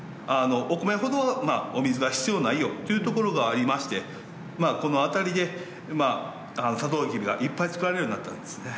お米ほどお水は必要ないよというところがありましてまあこの辺りでサトウキビがいっぱい作られるようになったんですね。